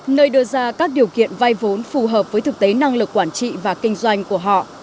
nơi đưa ra các điều kiện vay vốn phù hợp với thực tế năng lực quản trị và kinh doanh của họ